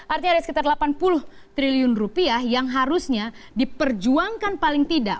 artinya ada sekitar delapan puluh triliun rupiah yang harusnya diperjuangkan paling tidak